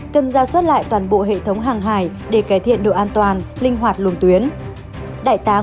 cần ra soát lại toàn bộ hệ thống hàng hải để cải thiện độ an toàn linh hoạt luồng tuyến